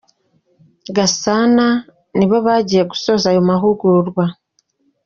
Gasana, nibo bagiye gusoza aya mahugurwa.